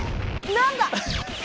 何だ？